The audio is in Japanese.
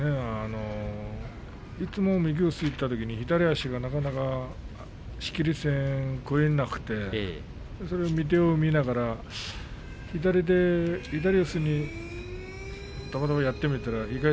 そうですねいつも右四つでいったときに左足がなかなか仕切り線を越えなくてビデオを見ながら左四つもやってみたら立ち合い